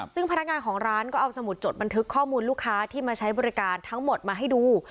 ซึ่งพนักงานของร้านก็เอาสมุดจดบันทึกข้อมูลลูกค้าที่มาใช้บริการทั้งหมดมาให้ดู